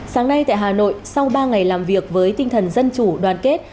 sáng nay tại hà nội sau ba ngày làm việc với tinh thần dân chủ đoàn kết